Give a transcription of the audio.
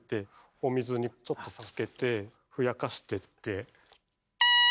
お水にちょっとつけてふやかしてって。